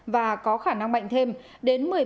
và có khả năng mạnh thêm đến